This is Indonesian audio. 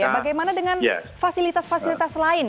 bagaimana dengan fasilitas fasilitas lain